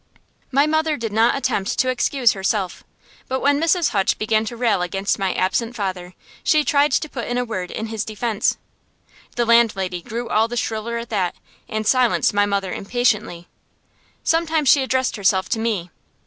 My mother did not attempt to excuse herself, but when Mrs. Hutch began to rail against my absent father, she tried to put in a word in his defence. The landlady grew all the shriller at that, and silenced my mother impatiently. Sometimes she addressed herself to me.